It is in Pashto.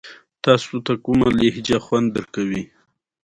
داسې سیستم چې پایدار وي.